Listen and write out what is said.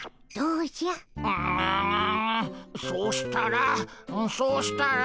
うううそうしたらそうしたら。